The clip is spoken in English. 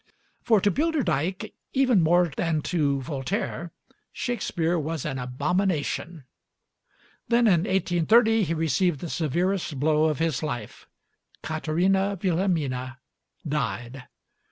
For to Bilderdijk even more than to Voltaire, Shakespeare was an abomination. Then in 1830 he received the severest blow of his life: Katherina Wilhelmina died.